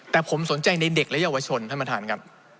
แต่ผมสนใจในเด็กและเยาวชนท่านประธานครับ